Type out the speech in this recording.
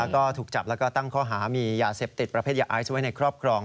ก็ถูกจับแล้วก็ตั้งข้อหามียาเสพติดประเภทยาไอซ์ไว้ในครอบครอง